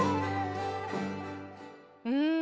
うん。